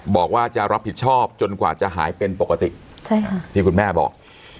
บอกว่าจะรับผิดชอบจนกว่าจะหายเป็นปกติที่คุณแม่บอก